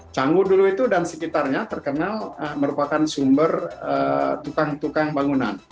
canggu dulu itu dan sekitarnya terkenal merupakan sumber tukang tukang bangunan